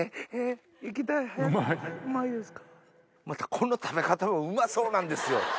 またこの食べ方もうまそうなんですよ。